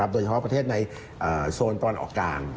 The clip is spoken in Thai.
โดยเฉพาะประเทศในโซนตะวันออกกลาง